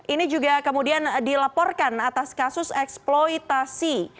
ini juga kemudian dilaporkan atas kasus eksploitasi